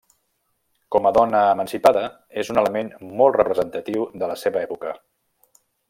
Com a dona emancipada és un element molt representatiu de la seva època.